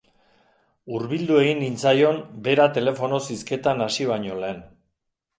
Hurbildu egin nintzaion, bera telefonoz hizketan hasi baino lehen.